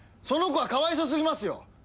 その子がかわいそすぎますよ